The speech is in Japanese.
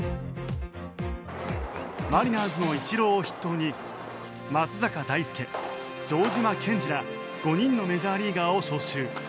マリナーズのイチローを筆頭に松坂大輔城島健司ら５人のメジャーリーガーを招集。